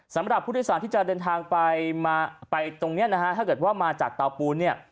สำหรับผู้โดยสารที่จะเดินทางไปมาไปตรงเนี้ยนะฮะถ้าเกิดว่ามาจากเตาปูนเนี่ย